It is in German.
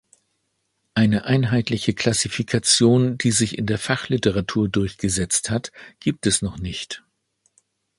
Eine einheitliche Klassifikation, die sich in der Fachliteratur durchgesetzt hat, gibt es noch nicht.